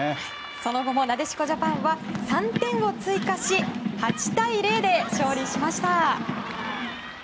その後なでしこジャパンは３点を追加し８対０で勝利しました。